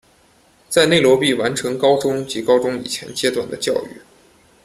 在内罗毕完成高中及高中以前阶段的教育。